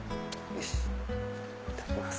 いただきます。